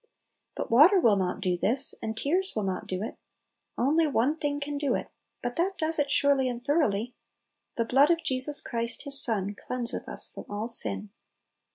But water will not do this, and tears will not do it. Only one thing can do it, but that does it surely and thoroughly. "The blood of Jesus Christ His Son cleanseth us from all sin."